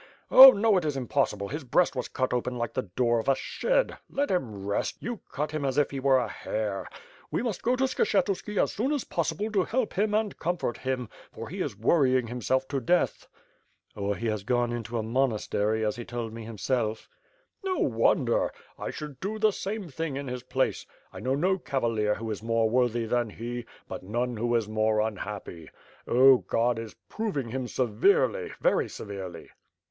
Oh, no, it is impossible, his breast was cut open like the door of a shed, let him rest, you cut him as if he were a hare. We must go to Skshetuski as soon as possible to help him and comfort him, for he is worrying himself to death." "Or he has gone into a monastery, as he told me himself." <*1 WITH FIRE AXD SWORD. 367 'No wonder! I should do the same thing in his place. I know no cavalier who is more worthy than he, but none who is more unhappy. Oh, God is proving him severely, very severely."